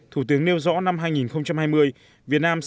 thủ tướng nêu rõ năm hai nghìn hai mươi